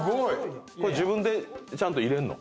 自分でちゃんと入れんの？